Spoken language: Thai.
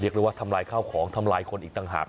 เรียกว่าทำลายข้าวของทำลายคนอีกต่างหาก